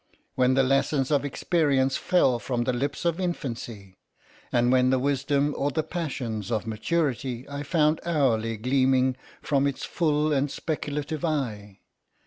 —when the lessons of experience fell from the lips of infancy? and when the wisdom or the passions of maturity I found hourly gleaming from its full and speculative eye?